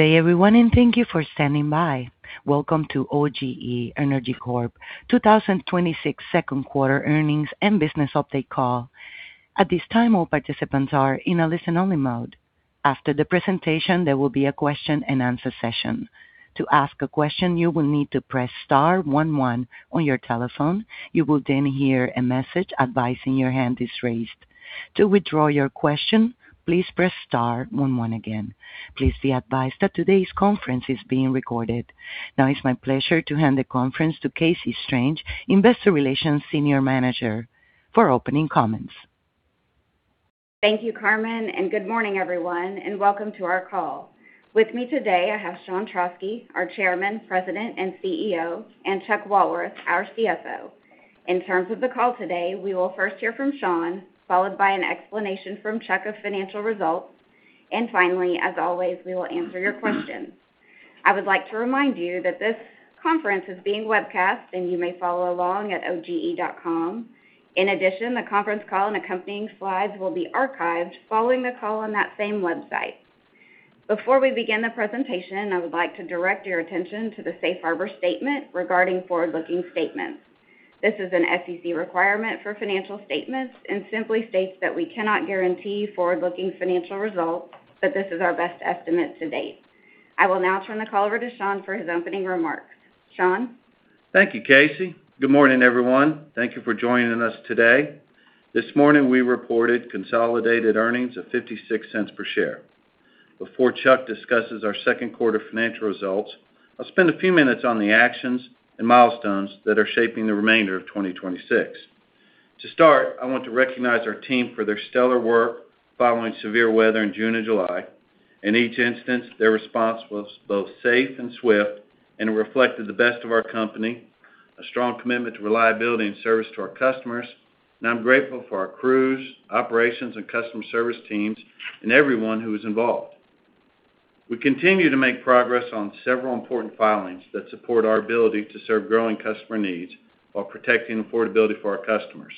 Good day everyone, and thank you for standing by. Welcome to OGE Energy Corp. 2026 second quarter earnings and business update call. At this time, all participants are in a listen-only mode. After the presentation, there will be a question-and-answer session. To ask a question, you will need to press star one one on your telephone. You will then hear a message advising your hand is raised. To withdraw your question, please press star one one again. Please be advised that today's conference is being recorded. Now it is my pleasure to hand the conference to Casey Strange, Investor Relations Senior Manager, for opening comments. Thank you, Carmen, and good morning, everyone, and welcome to our call. With me today, I have Sean Trauschke, our Chairman, President, and CEO, and Chuck Walworth, our CFO. In terms of the call today, we will first hear from Sean, followed by an explanation from Chuck of financial results. Finally, as always, we will answer your questions. I would like to remind you that this conference is being webcast, and you may follow along at oge.com. In addition, the conference call and accompanying slides will be archived following the call on that same website. Before we begin the presentation, I would like to direct your attention to the Safe Harbor statement regarding forward-looking statements. This is an SEC requirement for financial statements and simply states that we cannot guarantee forward-looking financial results, but this is our best estimate to date. I will now turn the call over to Sean for his opening remarks. Sean? Thank you, Casey. Good morning, everyone. Thank you for joining us today. This morning, we reported consolidated earnings of $0.56 per share. Before Chuck discusses our second quarter financial results, I will spend a few minutes on the actions and milestones that are shaping the remainder of 2026. To start, I want to recognize our team for their stellar work following severe weather in June and July. In each instance, their response was both safe and swift and reflected the best of our company, a strong commitment to reliability and service to our customers. I am grateful for our crews, operations, and customer service teams and everyone who is involved. We continue to make progress on several important filings that support our ability to serve growing customer needs while protecting affordability for our customers.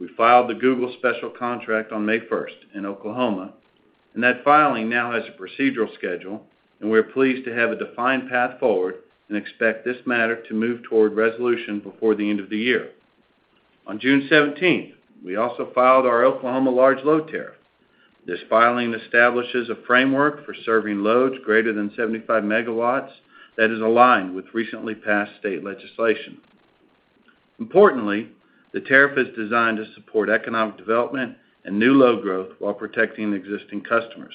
We filed the Google special contract on May 1st in Oklahoma. That filing now has a procedural schedule, and we're pleased to have a defined path forward and expect this matter to move toward resolution before the end of the year. On June 17th, we also filed our Oklahoma large load tariff. This filing establishes a framework for serving loads greater than 75 MW that is aligned with recently passed state legislation. Importantly, the tariff is designed to support economic development and new load growth while protecting existing customers.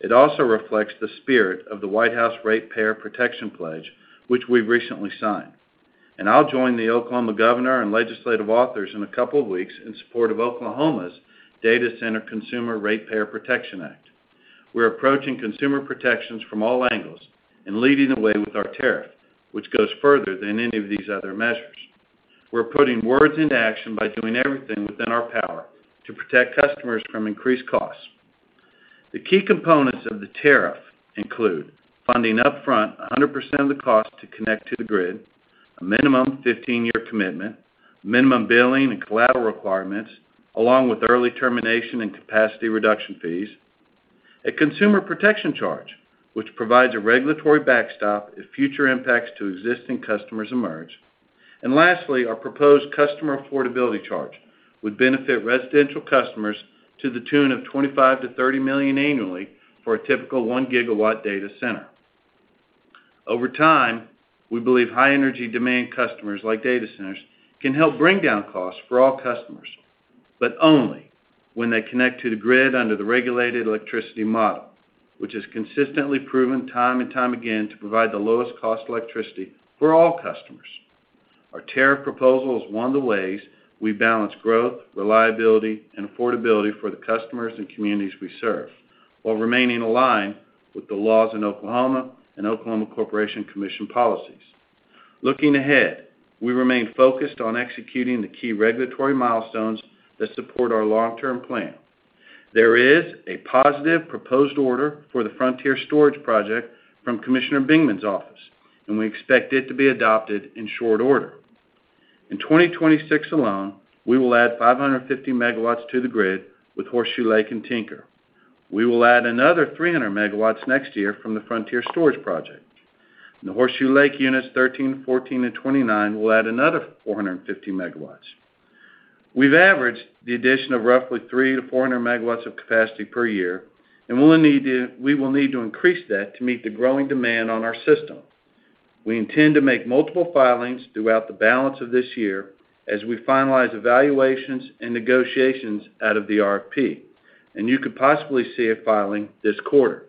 It also reflects the spirit of the White House Ratepayer Protection Pledge, which we've recently signed. I'll join the Oklahoma governor and legislative authors in a couple of weeks in support of Oklahoma's Data Center Consumer Ratepayer Protection Act. We're approaching consumer protections from all angles and leading the way with our tariff, which goes further than any of these other measures. We're putting words into action by doing everything within our power to protect customers from increased costs. The key components of the tariff include funding upfront 100% of the cost to connect to the grid, a minimum 15-year commitment, minimum billing and collateral requirements, along with early termination and capacity reduction fees, a consumer protection charge, which provides a regulatory backstop if future impacts to existing customers emerge. Lastly, our proposed customer affordability charge would benefit residential customers to the tune of $25 million-$30 million annually for a typical 1 GW data center. Over time, we believe high energy demand customers like data centers can help bring down costs for all customers, only when they connect to the grid under the regulated electricity model, which has consistently proven time and time again to provide the lowest cost electricity for all customers. Our tariff proposal is one of the ways we balance growth, reliability, and affordability for the customers and communities we serve while remaining aligned with the laws in Oklahoma and Oklahoma Corporation Commission policies. Looking ahead, we remain focused on executing the key regulatory milestones that support our long-term plan. There is a positive proposed order for the Frontier Energy Storage Project from Commissioner Bingman's office. We expect it to be adopted in short order. In 2026 alone, we will add 550 MW to the grid with Horseshoe Lake and Tinker. We will add another 300 MW next year from the Frontier Energy Storage Project. The Horseshoe Lake units 13, 14, and 29 will add another 450 MW. We've averaged the addition of roughly 300 MW-400 MW of capacity per year. We will need to increase that to meet the growing demand on our system. We intend to make multiple filings throughout the balance of this year as we finalize evaluations and negotiations out of the RFP. You could possibly see a filing this quarter.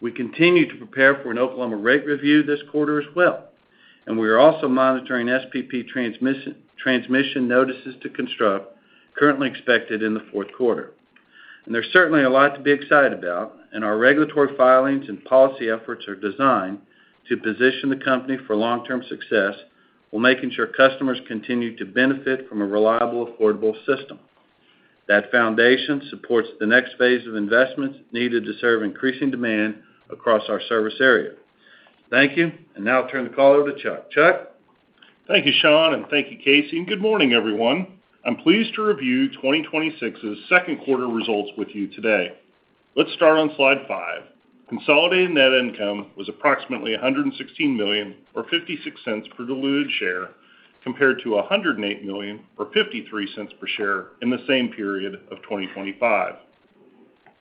We continue to prepare for an Oklahoma rate review this quarter as well. We are also monitoring SPP transmission notices to construct, currently expected in the fourth quarter. There's certainly a lot to be excited about. Our regulatory filings and policy efforts are designed to position the company for long-term success while making sure customers continue to benefit from a reliable, affordable system. That foundation supports the next phase of investments needed to serve increasing demand across our service area. Thank you. Now I'll turn the call over to Chuck. Chuck? Thank you, Sean, and thank you, Casey, and good morning, everyone. I'm pleased to review 2026's second quarter results with you today. Let's start on slide five. Consolidated net income was approximately $116 million or $0.56 per diluted share, compared to $108 million or $0.53 per share in the same period of 2025.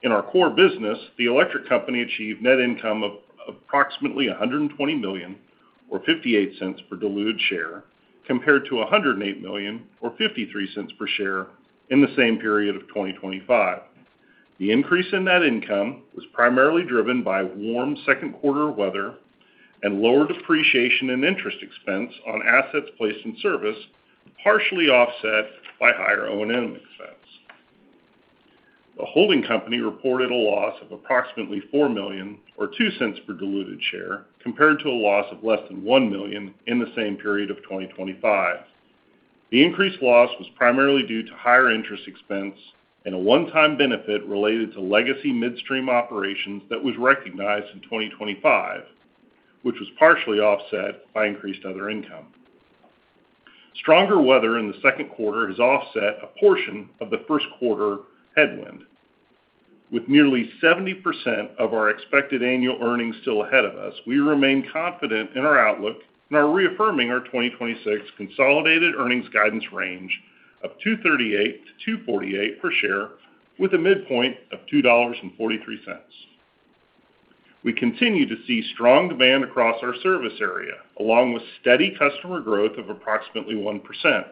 In our core business, the electric company achieved net income of approximately $120 million or $0.58 per diluted share, compared to $108 million or $0.53 per share in the same period of 2025. The increase in net income was primarily driven by warm second quarter weather and lower depreciation and interest expense on assets placed in service, partially offset by higher O&M expense. The holding company reported a loss of approximately $4 million or $0.02 per diluted share, compared to a loss of less than $1 million in the same period of 2025. The increased loss was primarily due to higher interest expense and a one-time benefit related to legacy midstream operations that was recognized in 2025, which was partially offset by increased other income. Stronger weather in the second quarter has offset a portion of the first quarter headwind. With nearly 70% of our expected annual earnings still ahead of us, we remain confident in our outlook and are reaffirming our 2026 consolidated earnings guidance range of $2.38-$2.48 per share, with a midpoint of $2.43. We continue to see strong demand across our service area, along with steady customer growth of approximately 1%.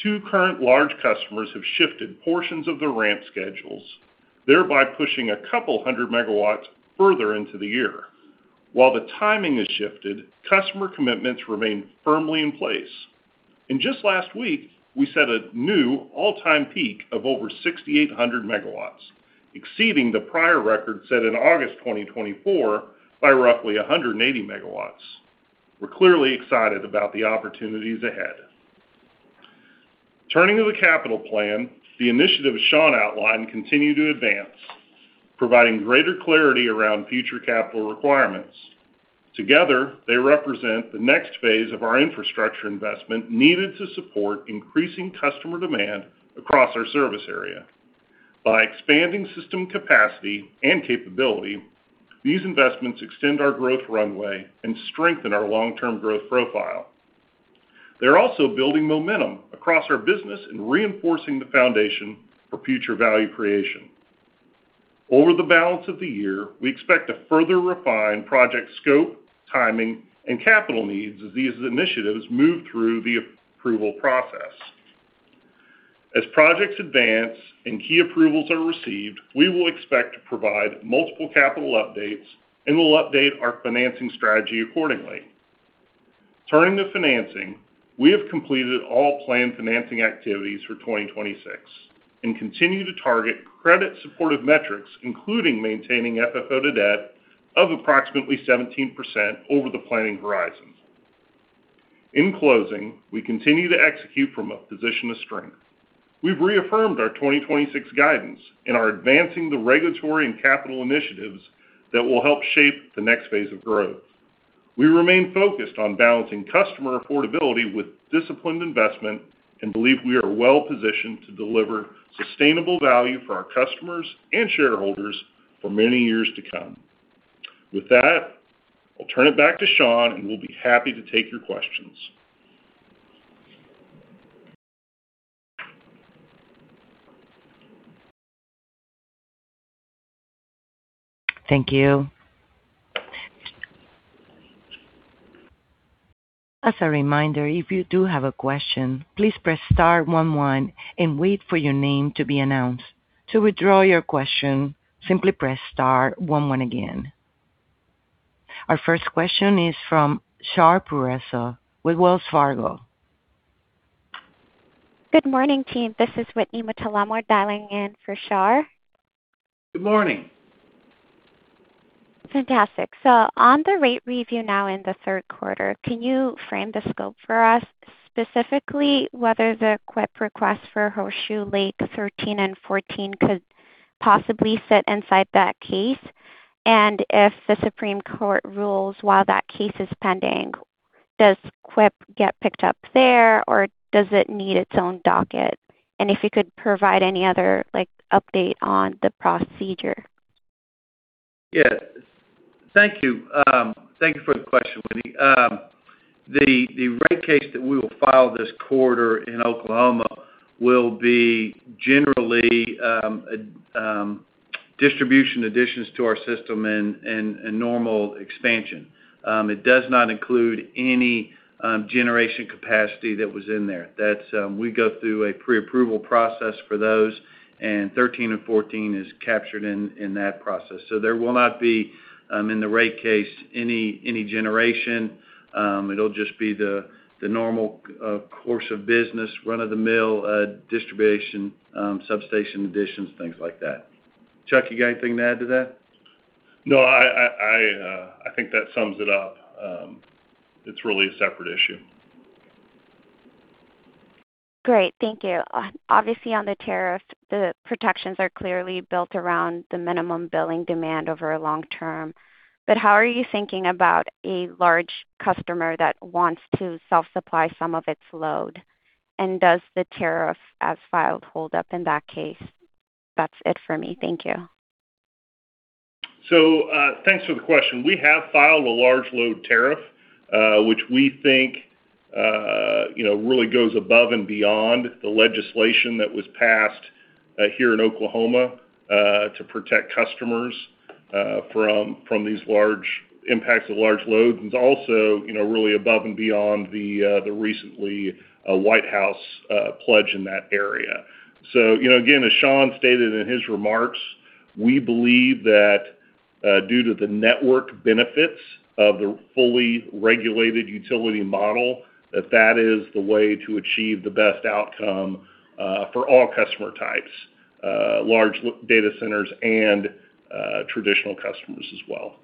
Two current large customers have shifted portions of their ramp schedules, thereby pushing a couple hundred megawatts further into the year. While the timing has shifted, customer commitments remain firmly in place. Just last week, we set a new all-time peak of over 6,800 MW, exceeding the prior record set in August 2024 by roughly 180 MW. We're clearly excited about the opportunities ahead. Turning to the capital plan, the initiatives Sean outlined continue to advance, providing greater clarity around future capital requirements. Together, they represent the next phase of our infrastructure investment needed to support increasing customer demand across our service area. By expanding system capacity and capability, these investments extend our growth runway and strengthen our long-term growth profile. They're also building momentum across our business and reinforcing the foundation for future value creation. Over the balance of the year, we expect to further refine project scope, timing, and capital needs as these initiatives move through the approval process. As projects advance and key approvals are received, we will expect to provide multiple capital updates, and we'll update our financing strategy accordingly. Turning to financing, we have completed all planned financing activities for 2026 and continue to target credit supportive metrics, including maintaining FFO-to-debt of approximately 17% over the planning horizon. In closing, we continue to execute from a position of strength. We've reaffirmed our 2026 guidance and are advancing the regulatory and capital initiatives that will help shape the next phase of growth. We remain focused on balancing customer affordability with disciplined investment and believe we are well positioned to deliver sustainable value for our customers and shareholders for many years to come. With that, I'll turn it back to Sean, and we'll be happy to take your questions. Thank you. As a reminder, if you do have a question, please press star one one and wait for your name to be announced. To withdraw your question, simply press star one one again. Our first question is from Shar Pourreza with Wells Fargo. Good morning, team. This is Whitney Mutalemwa dialing in for Char. Good morning. Fantastic. On the rate review now in the third quarter, can you frame the scope for us, specifically whether the CWIP request for Horseshoe Lake 13 and 14 could possibly sit inside that case? If the Supreme Court rules while that case is pending, does CWIP get picked up there, or does it need its own docket? If you could provide any other update on the procedure. Thank you. Thank you for the question, Whitney. The rate case that we will file this quarter in Oklahoma will be generally distribution additions to our system and normal expansion. It does not include any generation capacity that was in there. We go through a pre-approval process for those, and 13 and 14 is captured in that process. There will not be, in the rate case, any generation. It'll just be the normal course of business, run-of-the-mill distribution, substation additions, things like that. Chuck, you got anything to add to that? No, I think that sums it up. It's really a separate issue. Great. Thank you. Obviously, on the tariff, the protections are clearly built around the minimum billing demand over a long term. How are you thinking about a large customer that wants to self-supply some of its load? Does the tariff as filed hold up in that case? That's it for me. Thank you. Thanks for the question. We have filed a large load tariff, which we think really goes above and beyond the legislation that was passed here in Oklahoma, to protect customers from these large impacts of large loads. Also really above and beyond the recently White House Pledge in that area. Again, as Sean stated in his remarks, we believe that, due to the network benefits of the fully regulated utility model, that that is the way to achieve the best outcome for all customer types, large data centers and traditional customers as well.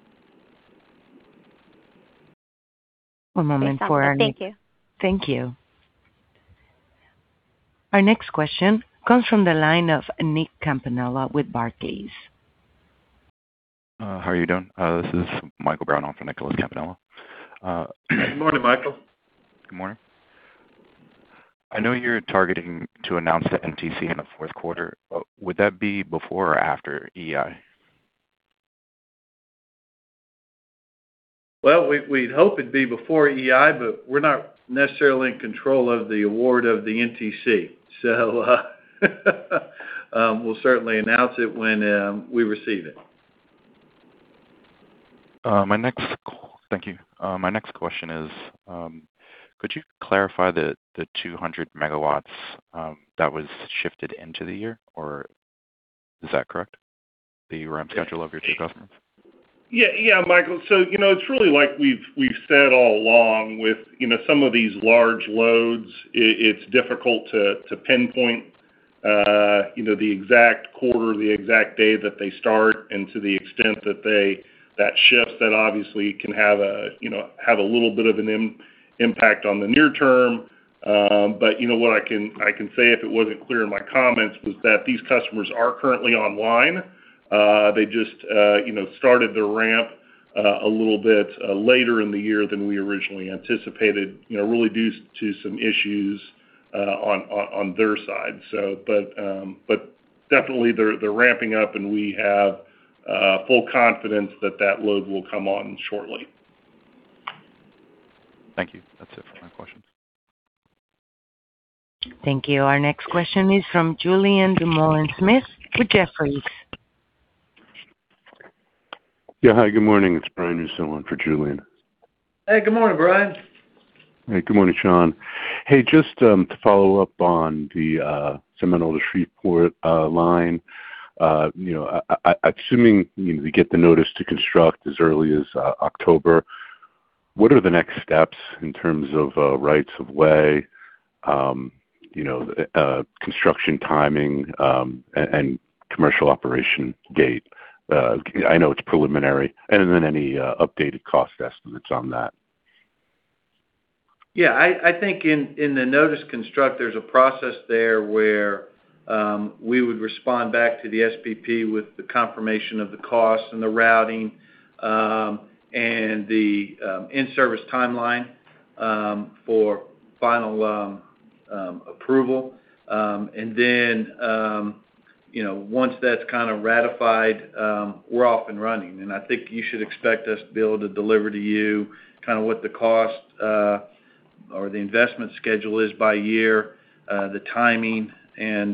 One moment for our next- Great. Sounds good. Thank you. Thank you. Our next question comes from the line of Nick Campanella with Barclays. How are you doing? This is Michael Brown on for Nicholas Campanella. Good morning, Michael. Good morning. I know you're targeting to announce the NTC in the fourth quarter, would that be before or after EEI? Well, we'd hope it'd be before EEI, but we're not necessarily in control of the award of the NTC. We'll certainly announce it when we receive it. Thank you. My next question is, could you clarify the 200 MW that was shifted into the year, or is that correct? The ramp schedule of your two customers? Yeah, Michael. It's really like we've said all along with some of these large loads, it's difficult to pinpoint the exact quarter or the exact day that they start. To the extent that shifts, that obviously can have a little bit of an impact on the near-term. What I can say, if it wasn't clear in my comments, was that these customers are currently online. They just started their ramp a little bit later in the year than we originally anticipated, really due to some issues on their side. Definitely they're ramping-up, and we have full confidence that that load will come on shortly. Thank you. That's it for my questions. Thank you. Our next question is from Julien Dumoulin-Smith with Jefferies. Yeah. Hi, good morning. It's Brian Russo on for Julien. Hey, good morning, Brian. Hey, good morning, Sean. Hey, just to follow up on the Seminole to Shreveport line. Assuming we get the notice to construct as early as October, what are the next steps in terms of rights of way, construction timing, and commercial operation date? I know it's preliminary. Then any updated cost estimates on that. Yeah, I think in the notice construct, there's a process there where we would respond back to the SPP with the confirmation of the cost and the routing, and the in-service timeline for final approval. Then once that's kind of ratified, we're off and running. I think you should expect us to be able to deliver to you what the cost or the investment schedule is by year, the timing, and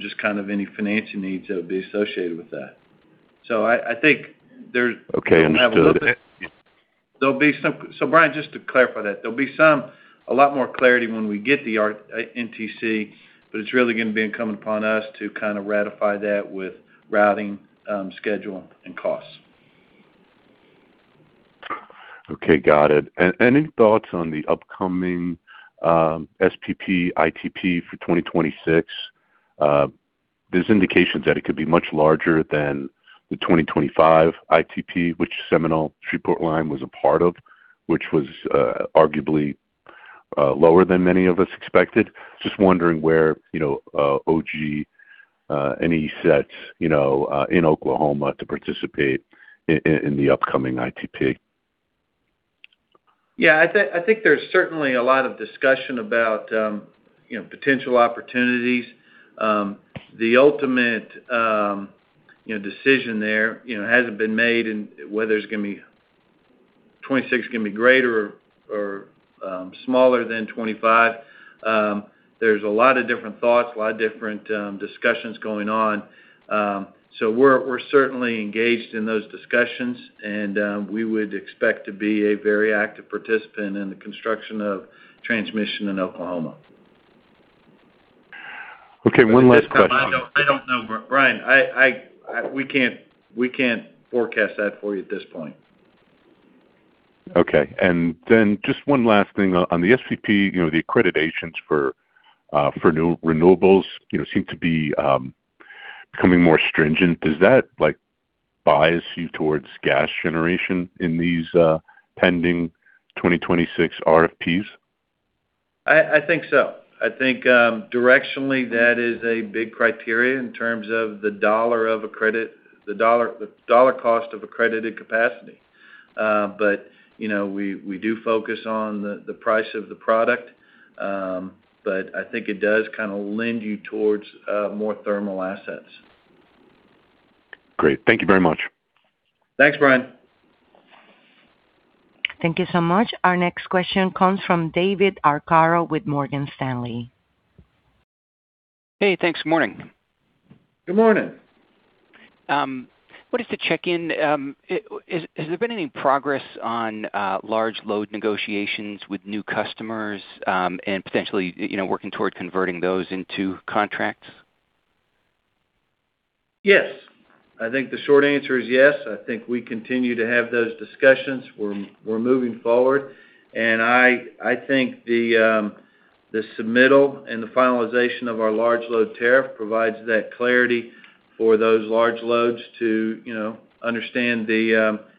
just any financing needs that would be associated with that. I think there's. Okay, understood. have a little bit. Brian, just to clarify that, there'll be a lot more clarity when we get the NTC, but it's really going to be incumbent upon us to ratify that with routing, schedule, and costs. Okay, got it. Any thoughts on the upcoming SPP ITP for 2026? There's indications that it could be much larger than the 2025 ITP, which Seminole-Shreveport line was a part of, which was arguably lower than many of us expected. Just wondering where OGE Energy sits in Oklahoma to participate in the upcoming ITP. I think there's certainly a lot of discussion about potential opportunities. The ultimate decision there hasn't been made in whether 2026 is going to be greater or smaller than 2025. There's a lot of different thoughts, a lot of different discussions going on. We're certainly engaged in those discussions, and we would expect to be a very active participant in the construction of transmission in Oklahoma. One last question. At this time, I don't know, Brian. We can't forecast that for you at this point. Just one last thing on the SPP, the accreditations for new renewables seem to be becoming more stringent. Does that bias you towards gas generation in these pending 2026 RFPs? I think so. I think directionally, that is a big criteria in terms of the dollar cost of accredited capacity. We do focus on the price of the product, but I think it does kind of lend you towards more thermal assets. Great. Thank you very much. Thanks, Brian. Thank you so much. Our next question comes from David Arcaro with Morgan Stanley. Hey, thanks. Morning. Good morning. Just to check in, has there been any progress on large load negotiations with new customers, and potentially, working toward converting those into contracts? Yes. I think the short answer is yes. I think we continue to have those discussions. We're moving forward. I think the submittal and the finalization of our large load tariff provides that clarity for those large loads to understand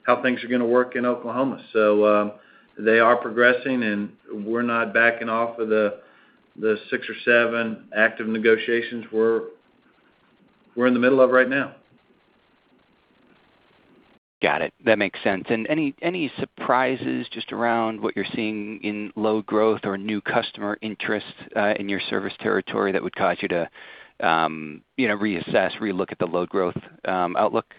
how things are going to work in Oklahoma. They are progressing and we're not backing off of the six or seven active negotiations we're in the middle of right now. Got it. That makes sense. Any surprises just around what you're seeing in load growth or new customer interest in your service territory that would cause you to reassess, re-look at the load growth outlook?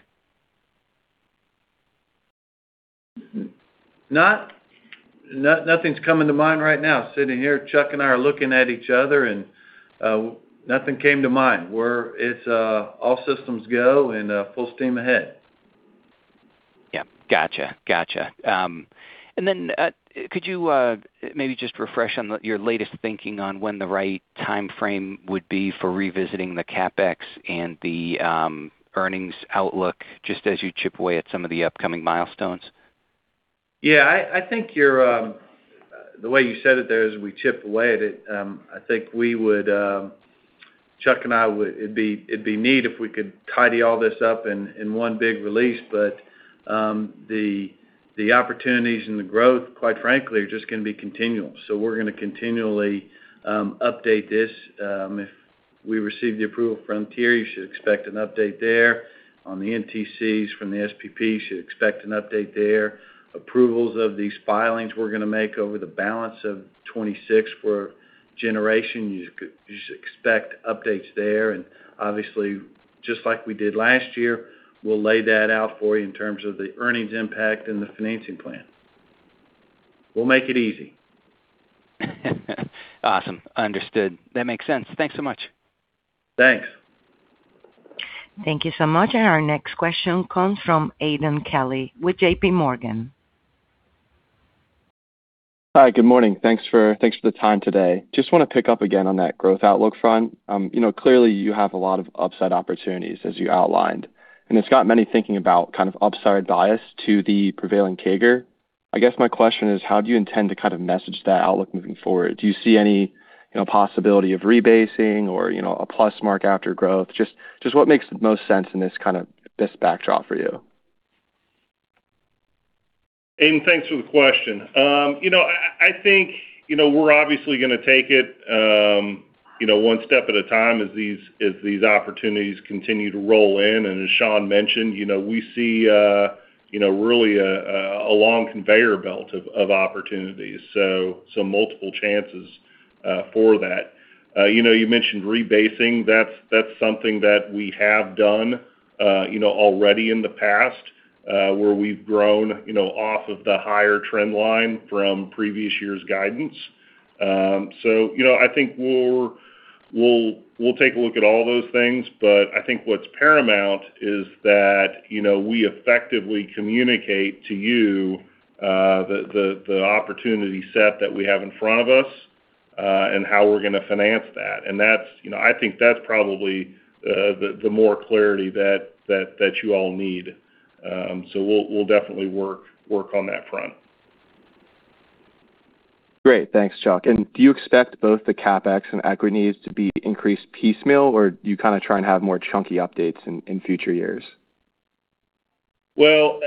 Nothing's coming to mind right now. Sitting here, Chuck and I are looking at each other and nothing came to mind. It's all systems go and full steam ahead. Yeah. Got you. Could you maybe just refresh on your latest thinking on when the right timeframe would be for revisiting the CapEx and the earnings outlook just as you chip away at some of the upcoming milestones? Yeah, the way you said it there is we chip away at it. I think Chuck and I, it'd be neat if we could tidy all this up in one big release, the opportunities and the growth, quite frankly, are just going to be continual. We're going to continually update this. If we receive the approval from Tier, you should expect an update there. On the NTCs from the SPP, you should expect an update there. Approvals of these filings we're going to make over the balance of 2026 for generation, you should expect updates there. Obviously, just like we did last year, we'll lay that out for you in terms of the earnings impact and the financing plan. We'll make it easy. Awesome. Understood. That makes sense. Thanks so much. Thanks. Thank you so much. Our next question comes from Aidan Kelly with JPMorgan. Hi, good morning. Thanks for the time today. I want to pick up again on that growth outlook front. Clearly you have a lot of upside opportunities as you outlined, and it's got many thinking about kind of upside bias to the prevailing CAGR. My question is, how do you intend to kind of message that outlook moving forward? Do you see any possibility of rebasing or a plus mark after growth? What makes the most sense in this backdrop for you? Aidan, thanks for the question. I think we're obviously going to take it one step at a time as these opportunities continue to roll in. As Sean mentioned, we see really a long conveyor belt of opportunities, so multiple chances for that. You mentioned rebasing. That's something that we have done already in the past, where we've grown off of the higher trend line from previous year's guidance. I think we'll take a look at all those things, but I think what's paramount is that we effectively communicate to you the opportunity set that we have in front of us, and how we're going to finance that. I think that's probably the more clarity that you all need. We'll definitely work on that front. Great. Thanks, Chuck. Do you expect both the CapEx and equities to be increased piecemeal, or do you kind of try and have more chunky updates in future years? Well,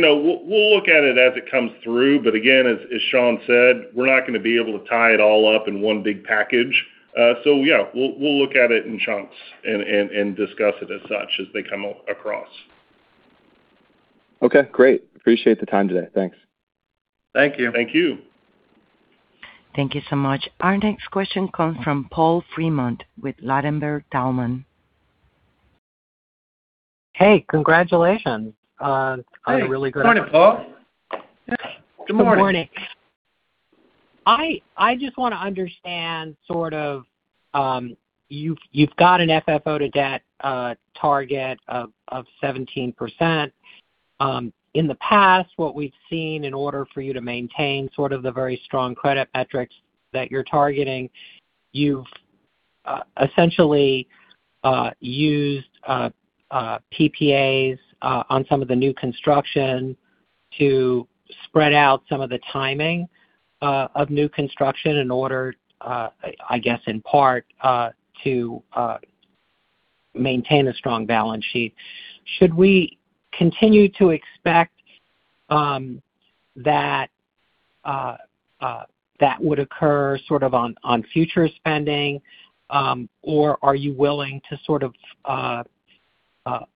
we'll look at it as it comes through, but again, as Sean said, we're not going to be able to tie it all up in one big package. Yeah, we'll look at it in chunks and discuss it as such as they come across. Okay, great. Appreciate the time today. Thanks. Thank you. Thank you. Thank you so much. Our next question comes from Paul Fremont with Ladenburg Thalmann. Hey, congratulations on a really great. Hey, good morning, Paul. Good morning. Good morning. I just want to understand sort of, you've got an FFO-to-debt target of 17%. In the past, what we've seen in order for you to maintain sort of the very strong credit metrics that you're targeting, you've essentially used PPAs on some of the new construction. To spread out some of the timing of new construction in order, I guess, in part, to maintain a strong balance sheet. Should we continue to expect that would occur sort of on future spending? Or are you willing to sort of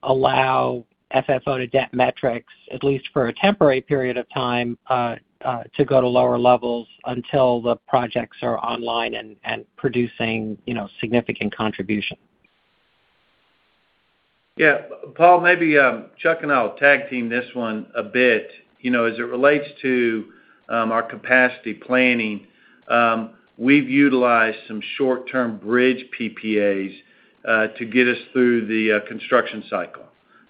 allow FFO-to-debt metrics at least for a temporary period of time, to go to lower levels until the projects are online and producing significant contribution? Yeah. Paul, maybe Chuck and I will tag team this one a bit. As it relates to our capacity planning, we've utilized some short-term bridge PPAs to get us through the construction cycle.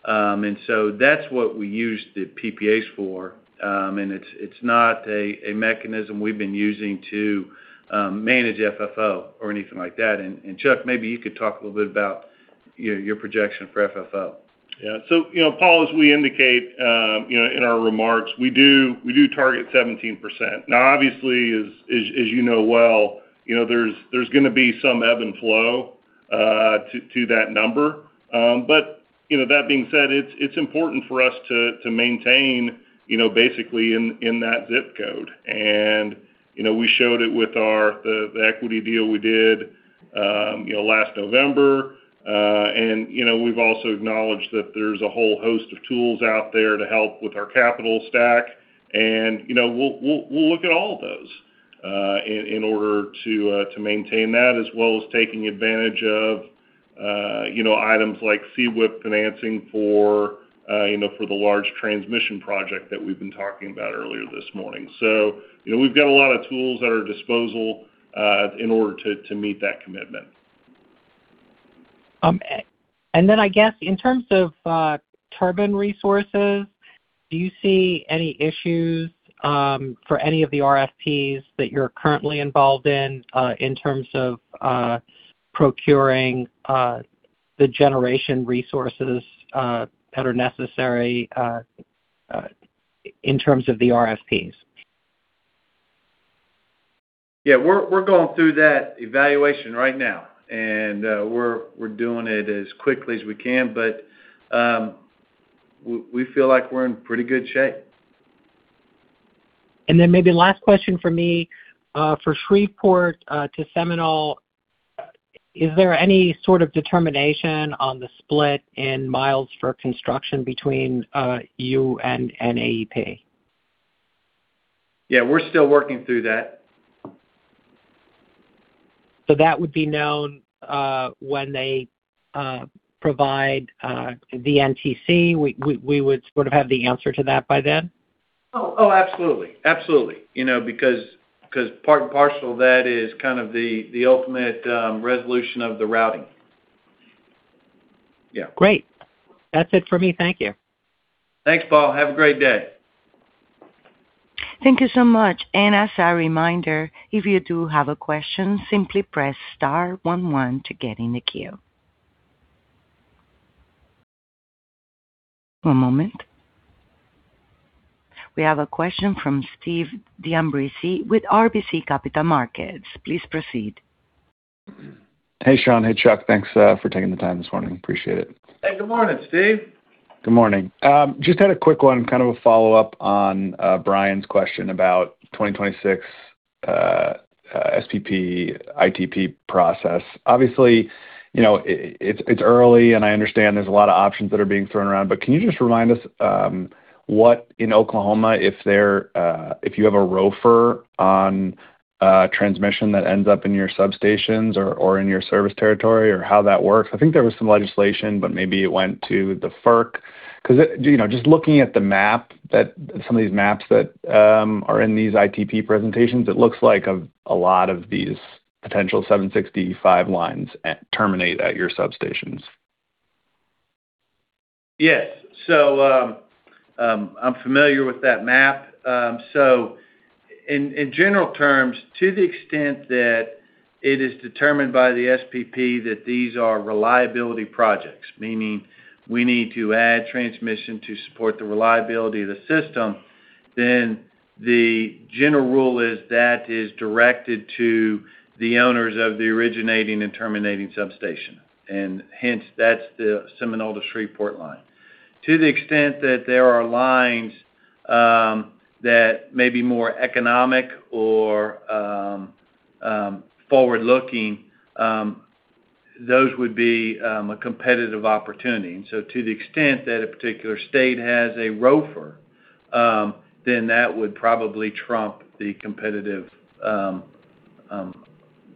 That's what we use the PPAs for. It's not a mechanism we've been using to manage FFO or anything like that. Chuck, maybe you could talk a little bit about your projection for FFO. Yeah. Paul, as we indicate in our remarks, we do target 17%. Now, obviously, as you know well, there's going to be some ebb and flow to that number. That being said, it's important for us to maintain basically in that zip code. We showed it with the equity deal we did last November. We've also acknowledged that there's a whole host of tools out there to help with our capital stack. We'll look at all of those in order to maintain that, as well as taking advantage of items like CWIP financing for the large transmission project that we've been talking about earlier this morning. We've got a lot of tools at our disposal in order to meet that commitment. I guess, in terms of turbine resources, do you see any issues for any of the RFPs that you're currently involved in terms of procuring the generation resources that are necessary in terms of the RFPs? We're going through that evaluation right now, and we're doing it as quickly as we can, but we feel like we're in pretty good shape. Maybe last question from me. For Shreveport to Seminole, is there any sort of determination on the split in miles for construction between you and AEP? We're still working through that. That would be known when they provide the NTC? We would sort of have the answer to that by then? Oh, absolutely. Part and parcel of that is kind of the ultimate resolution of the routing. Yeah. Great. That's it for me. Thank you. Thanks, Paul. Have a great day. Thank you so much. As a reminder, if you do have a question, simply press star one to get in the queue. One moment. We have a question from Steve D'Ambrisi with RBC Capital Markets. Please proceed. Hey, Sean. Hey, Chuck. Thanks for taking the time this morning. Appreciate it. Hey, good morning, Steve. Good morning. Just had a quick one, kind of a follow-up on Brian's question about 2026 SPP ITP process. Obviously, it's early, and I understand there's a lot of options that are being thrown around, but can you just remind us what in Oklahoma, if you have a ROFR on transmission that ends up in your substations or in your service territory or how that works? I think there was some legislation, but maybe it went to the FERC, because just looking at the map, some of these maps that are in these ITP presentations, it looks like a lot of these potential 765 lines terminate at your substations. Yes. I'm familiar with that map. In general terms, to the extent that it is determined by the SPP that these are reliability projects, meaning we need to add transmission to support the reliability of the system, then the general rule is that is directed to the owners of the originating and terminating substation. Hence, that's the Seminole to Shreveport line. To the extent that there are lines that may be more economic or forward-looking, those would be a competitive opportunity. To the extent that a particular state has a ROFR, then that would probably trump the competitive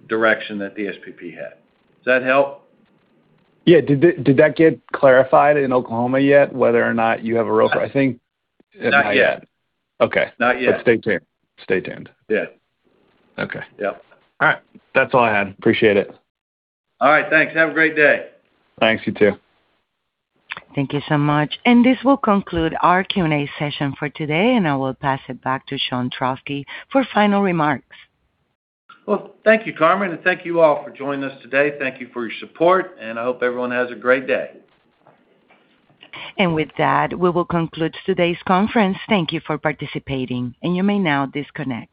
direction that the SPP had. Does that help? Yeah. Did that get clarified in Oklahoma yet whether or not you have a ROFR? Not yet. Okay. Not yet. Stay tuned. Yeah. Okay. Yep. All right. That's all I had. Appreciate it. All right. Thanks. Have a great day. Thanks. You too. Thank you so much. This will conclude our Q&A session for today, and I will pass it back to Sean Trauschke for final remarks. Well, thank you, Carmen, and thank you all for joining us today. Thank you for your support, and I hope everyone has a great day. With that, we will conclude today's conference. Thank you for participating, and you may now disconnect.